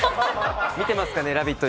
見てますかね、「ラヴィット！」